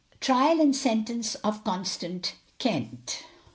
TRIAL AND SENTENCE OF CONSTANCE KENT.